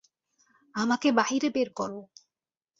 আমাকে বাহিরে বের কর!